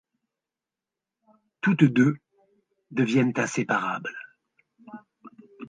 Toutes deux deviennent inséparables.